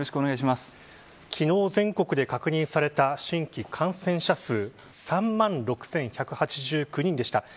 昨日、全国で確認された新規感染者数３万６１８９人でした。